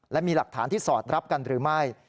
และมีหลักฐานที่สอดรับกันหรือไม่